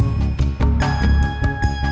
enggak bareng kamu rad